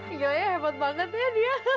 iya ya hebat banget ya dia